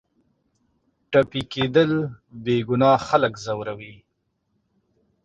ټپي کېدل بېګناه خلک ځوروي.